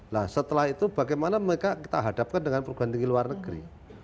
nah setelah itu bagaimana mereka kita hadapkan dengan perguruan tinggi luar negeri